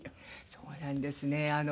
そうなんですね。